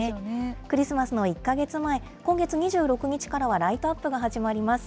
クリスマスの１か月前、今月２６日からはライトアップが始まります。